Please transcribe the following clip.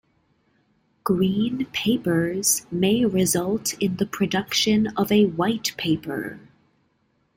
Green papers may result in the production of a white paper.